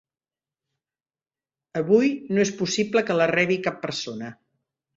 Avui no és possible que la rebi cap persona.